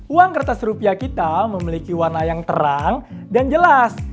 uang kertas rupiah kita memiliki warna yang terang dan jelas